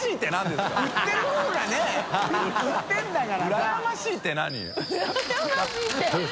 「うらやましい」って